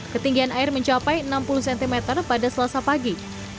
ketinggian air mencapai enam puluh cm pada selasa pagi